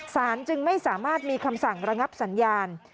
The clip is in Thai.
จึงไม่สามารถมีคำสั่งระงับสัญญาณ